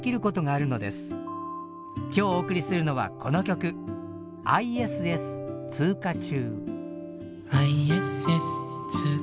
今日お送りするのはこの曲「ＩＳＳ通過中」。